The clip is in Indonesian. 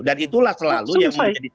dan itulah selalu yang menjadi